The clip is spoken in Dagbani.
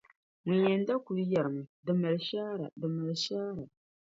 Ŋun yɛn da kul yɛrimi, “Di mali shaara, di mali shaara.”